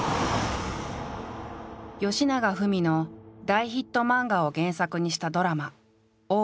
よしながふみの大ヒット漫画を原作にしたドラマ「大奥」。